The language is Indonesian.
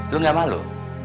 lo gak malu